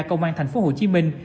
công an thành phố hồ chí minh